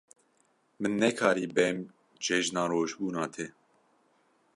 Min nekarî bêm cejna rojbûna te.